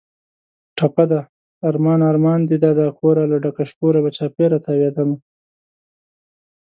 ټپه ده: ارمان ارمان دې دادا کوره، له ډکه شکوره به چاپېره تاوېدمه